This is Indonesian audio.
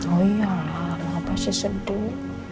oh iya mama pasti sedih